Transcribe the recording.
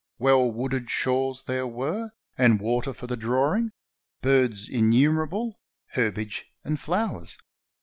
Well wooded shores there were, and water for the drawing, birds innumerable, herbage and flowers.